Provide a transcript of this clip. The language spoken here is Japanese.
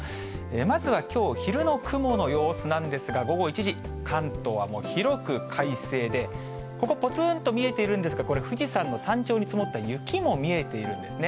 まずはきょう昼の雲の様子なんですが、午後１時、関東は広く快晴で、ここ、ぽつんと見えているんですが、これ、富士山の山頂に積もった雪も見えているんですね。